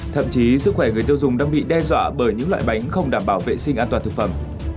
thậm chí sức khỏe người tiêu dùng đang bị đe dọa bởi những loại bánh không đảm bảo vệ sinh an toàn thực phẩm